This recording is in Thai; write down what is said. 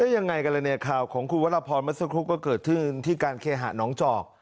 ยังไงกันเลยเนี่ยข่าวของคุณวรพรเมื่อสักครู่ก็เกิดขึ้นที่การเคหะน้องจอก